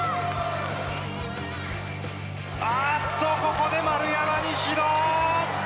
あーっと、ここで丸山に指導。